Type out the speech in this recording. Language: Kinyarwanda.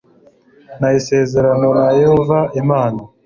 na isezerano a na Yehova Imana